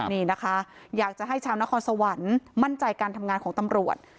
นี่นะคะอยากจะให้ชาวนครสวรรค์มั่นใจการทำงานของตำรวจ